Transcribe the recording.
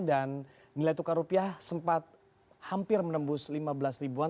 dan nilai tukar rupiah sempat hampir menembus lima belas an